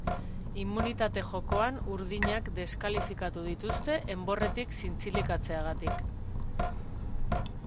Immunitate jokoan urdinak deskalifikatu dituzte enborretik zintzilikatzeagatik.